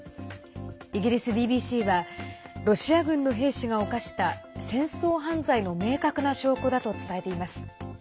イギリスＢＢＣはロシア軍の兵士が犯した戦争犯罪の明確な証拠だと伝えています。